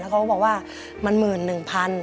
เขาก็บอกว่ามัน๑๑๐๐๐บาท